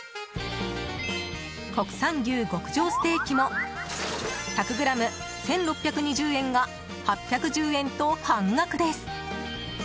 国産牛極上ステーキも１００ｇ１６２０円が８１０円と半額です。